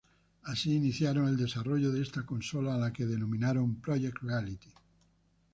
Así iniciaron el desarrollo de esta consola a la que denominaron "Project Reality".